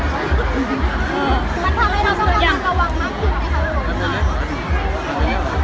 มันทำไมเราต้องการระวังมากที่เค้าบอกมันตาม